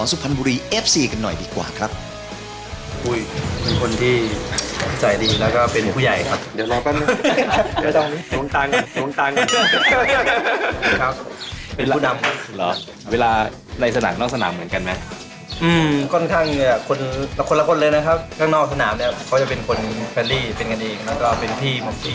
ในสนามเนี่ยเค้าจะเป็นคนแฟรรี่เป็นกันเองแล้วก็เป็นพี่หมดพี่